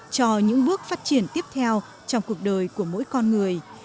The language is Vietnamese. cho những bước phát triển tiếp theo trong cuộc đời của mỗi con người